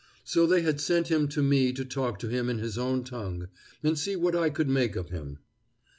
So they had sent him to me to talk to him in his own tongue and see what I could make of him.